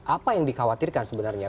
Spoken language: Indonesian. apa yang dikhawatirkan sebenarnya